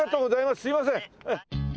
すいません。